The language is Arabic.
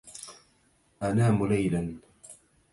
أنام ليلاً